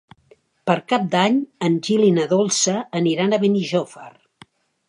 Per Cap d'Any en Gil i na Dolça aniran a Benijòfar.